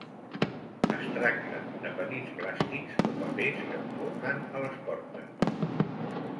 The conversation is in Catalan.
Es tracta de petits plàstics o papers que col·loquen a les portes.